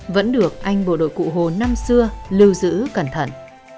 vẫn được anh bộ đội cụ hồ năm xưa lưu giữ cẩn thận